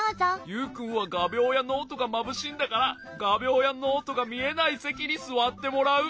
ユウくんはがびょうやノートがまぶしいんだからがびょうやノートがみえないせきにすわってもらう。